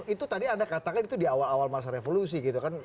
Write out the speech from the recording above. itu tadi anda katakan itu di awal awal masa revolusi gitu kan